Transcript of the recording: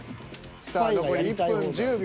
さあ残り１分１０秒。